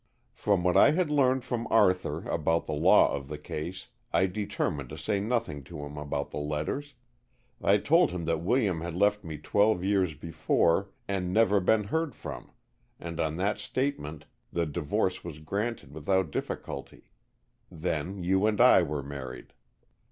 "From what I had learned from Arthur about the law of the case, I determined to say nothing to him about the letters. I told him that William had left me twelve years before and never been heard from, and on that statement the divorce was granted without difficulty. Then you and I were married."